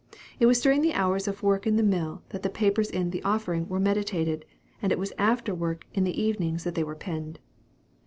It was during the hours of work in the mill that the papers in the "Offering" were meditated, and it was after work in the evenings that they were penned.